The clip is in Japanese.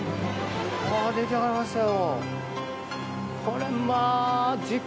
出来上がりましたよ。